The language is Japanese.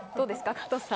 加藤さん。